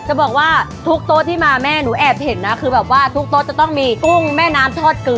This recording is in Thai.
จะบอกว่าทุกโต๊ะที่มาแม่หนูแอบเห็นนะคือแบบว่าทุกโต๊ะจะต้องมีกุ้งแม่น้ำทอดเกลือ